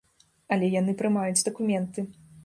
Але яны прымаюць дакументы.